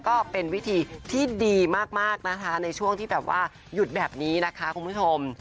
ก็เป็นวิธีที่ดีมากนะคะในช่วงที่แบบว่าหยุดแบบนี้นะคะคุณผู้ชม